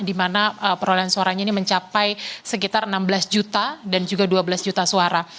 di mana perolehan suaranya ini mencapai sekitar enam belas juta dan juga dua belas juta suara